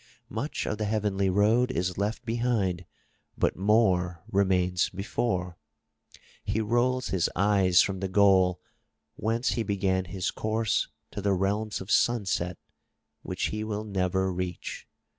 Much of the heavenly road is left behind but more remains before. He rolls his eyes from the goal whence he began his course to the realms of sunset which he will never reach.